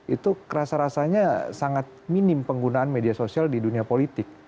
itu rasa rasanya sangat minim penggunaan media sosial di dunia politik